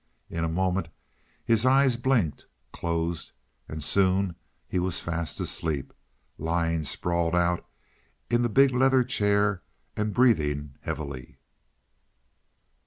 In a moment his eyes blinked, closed, and soon he was fast asleep, lying sprawled out in the big leather chair and breathing heavily.